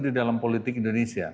di dalam politik indonesia